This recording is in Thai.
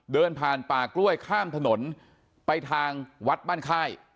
เดินผ่านป่ากล้วยข้ามถนนไปทางวัดบ้านค่าย